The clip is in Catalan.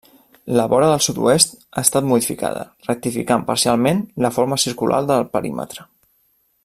La vora del sud-oest ha estat modificada, rectificant parcialment la forma circular del perímetre.